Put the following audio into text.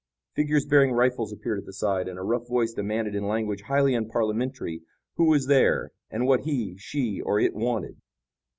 Figures bearing rifles appeared at the side, and a rough voice demanded in language highly unparliamentary who was there and what he, she or it wanted.